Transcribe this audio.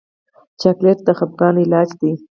چاکلېټ د خفګان علاج دی.